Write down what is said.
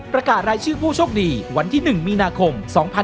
ประกาศรายชื่อผู้โชคดีวันที่๑มีนาคม๒๕๖๒